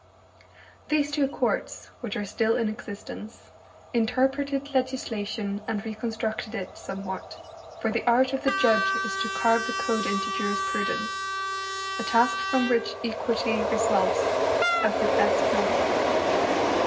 These two courts, which are still in existence, interpreted legislation, and reconstructed it somewhat, for the art of the judge is to carve the code into jurisprudence; a task from which equity results as it best may.